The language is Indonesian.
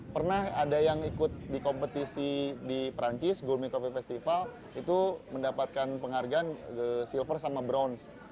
pernah ada yang ikut di kompetisi di perancis gourmet coffee festival itu mendapatkan penghargaan silver sama bronze